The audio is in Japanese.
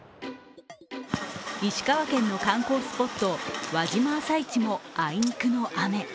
石川県の観光スポット、輪島朝市もあいにくの雨。